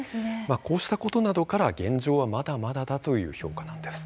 こうしたことなどから、現状はまだまだだという評価なんです。